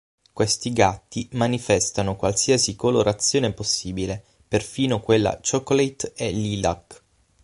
Questi gatti manifestano qualsiasi colorazione possibile, perfino quella chocolate e lilac.